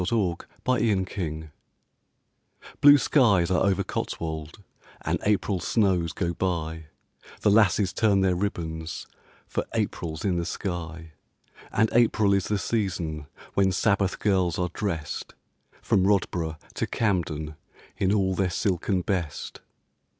COTSWOLD LOVE Blue skies are over Cotswold And April snows go by, The lasses turn their ribbons For April's in the sky, And April is the season When Sabbath girls are dressed, From Rodboro' to Campden, In all their silken best.